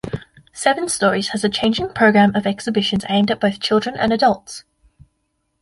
Seven Stories has a changing programme of exhibitions aimed at both children and adults.